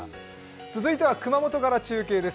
続いては熊本から中継です。